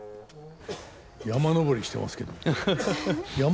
山登りしてますけど。